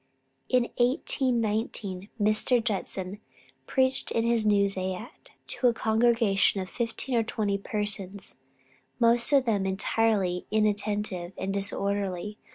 In April, 1819, Mr. Judson preached in his new zayat to a congregation of fifteen or twenty persons, most of them entirely inattentive and disorderly.